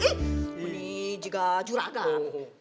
eh beli juga juragan